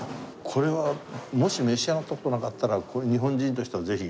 これはもし召し上がった事なかったらこれ日本人としてはぜひ。